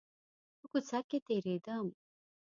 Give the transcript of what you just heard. په کوڅه کښې تېرېدم .